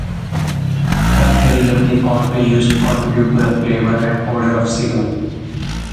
Castoreum is also used to contribute to the flavor and odor of cigarettes.